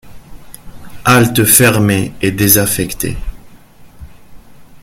Halte fermée et désaffectée.